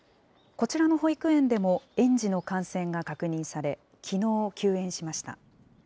こちらの保育園でも園児の感染が確認され、きのう、休園しました。